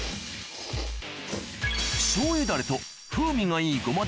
しょう油だれと風味がいいゴマ